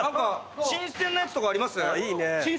新鮮なやつとかあります？